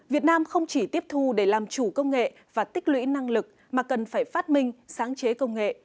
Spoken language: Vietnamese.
việt nam không chỉ tiếp thu để làm chủ công nghệ và tích lũy năng lực mà cần phải phát minh sáng chế công nghệ